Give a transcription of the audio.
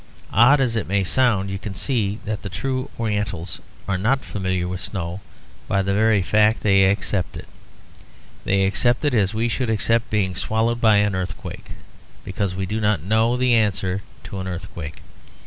Odd as it may sound you can see that the true Orientals are not familiar with snow by the very fact that they accept it. They accept it as we should accept being swallowed by an earthquake; because we do not know the answer to an earthquake.